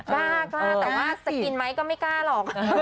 กล้ากล้าแต่ว่าจะกินไหมก็ไม่กล้าหรอก